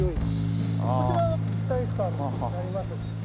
こちら体育館になります。